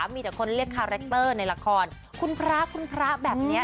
มีแต่คนเรียกคาแรคเตอร์ในละครคุณพระคุณพระแบบนี้